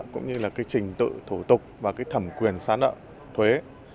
cũng như là trình tự thủ tục và thẩm quyền xóa nợ thuế